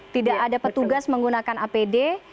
tidak ada petugas menggunakan apd